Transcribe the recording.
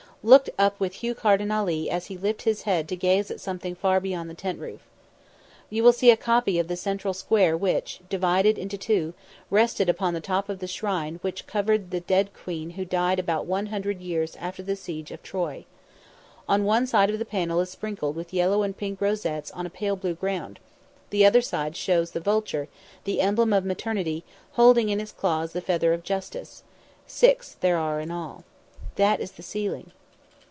Look up with Hugh Carden Ali as he lifts his head to gaze at something far beyond the tent roof. You will see a copy of the central square which, divided into two, rested upon the top of the shrine which covered the dead queen who died about one hundred years after the siege of Troy. One side of the panel is sprinkled with yellow and pink rosettes on a pale blue ground; the other side shows the vulture, the emblem of maternity, holding in its claws the feather of justice; six there are in all. That is the ceiling.